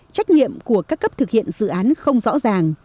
trách nhiệm của các cấp thực hiện dự án không rõ ràng